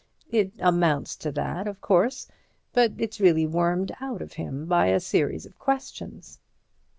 It amounts to that, of course, but it's really wormed out of him by a series of questions."